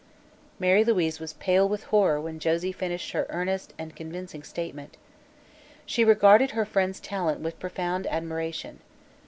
Mary Louise was pale with horror when Josie finished her earnest and convincing statement. She regarded her friend's talent with profound admiration.